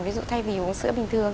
ví dụ thay vì uống sữa bình thường